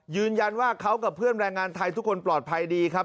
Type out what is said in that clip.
ยืนยันว่าเขากับเพื่อนแรงงานไทยทุกคนปลอดภัยดีครับ